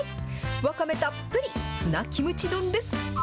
わかめたっぷりツナキムチ丼です。